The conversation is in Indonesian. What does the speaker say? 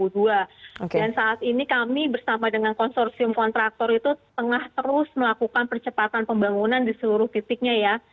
dan saat ini kami bersama dengan konsorsium kontraktor itu tengah terus melakukan percepatan pembangunan di seluruh titiknya ya